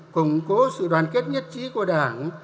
củng cố sự đoàn kết nhất trí của đảng